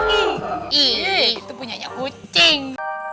itu punya nyak kucing